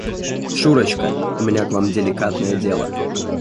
Шурочка, у меня к Вам деликатное дело.